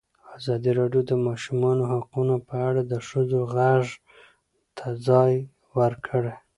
ازادي راډیو د د ماشومانو حقونه په اړه د ښځو غږ ته ځای ورکړی.